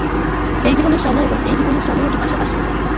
সেই জীবনের সময় এবং এই জীবনের সময়ও কি পাশাপাশি?